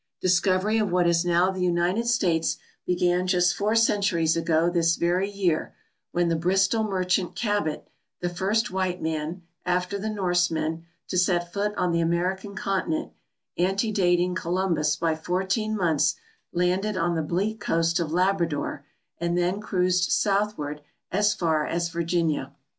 Discovery of what is now the United States began just four centuries ago this very year, when the Bristol merchant Cabot, the first white man (after the Norsemen) to set foot on the Amer ican continent, antedating Columbus by fourteen months, landed on the bleak coast of Labrador, and then cruised southward as far as Virginia.